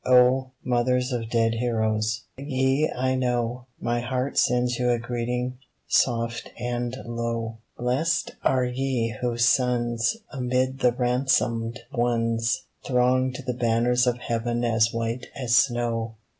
Oh, mothers of dead heroes, ye I know, My heart sends you a greeting, soft and low ; Blessed are ye whose sons Amid the ransomed ones Throng to the banners of Heaven as white as snow.